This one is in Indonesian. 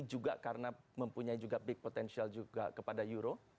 juga karena mempunyai juga big potensial juga kepada euro